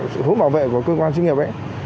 sự phú bảo vệ của cơ quan sinh nhập ấy